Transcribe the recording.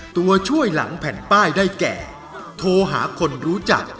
ตัวช่วยหลังแผ่นป้ายได้แก่โทรหาคนรู้จัก